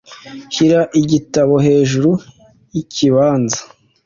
Shira igitabo hejuru yikibanza.